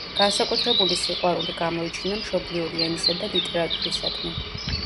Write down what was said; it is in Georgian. განსაკუთრებული სიყვარული გამოიჩინა მშობლიური ენისა და ლიტერატურისადმი.